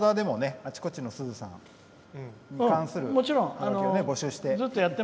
あちこちのすずさん」に関するおハガキを募集して、いっぱい。